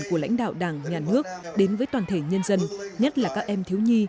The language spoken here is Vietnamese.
của lãnh đạo đảng nhà nước đến với toàn thể nhân dân nhất là các em thiếu nhi